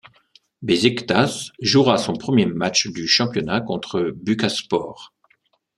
Beşiktaş jouera son premier matche du championnat contre Bucaspor.